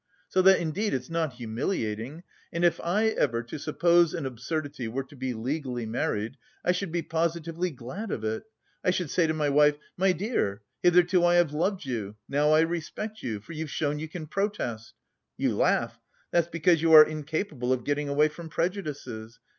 So that indeed it's not humiliating... and if I ever, to suppose an absurdity, were to be legally married, I should be positively glad of it. I should say to my wife: 'My dear, hitherto I have loved you, now I respect you, for you've shown you can protest!' You laugh! That's because you are incapable of getting away from prejudices.